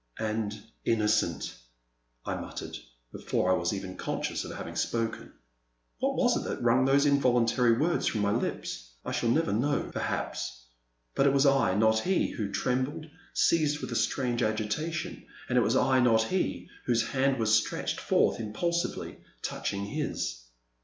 *' And innocent!" I muttered, before I was even conscious of having spoken. What was it that wrung those involuntary words from my lips, I shall never know, perhaps — but it was I, not he, who trembled, seized with a strange agitation, and it was I, not he, whose hand was stretched forth impulsively, touching his.